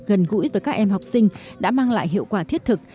gần gũi với các em học sinh đã mang lại hiệu quả thiết thực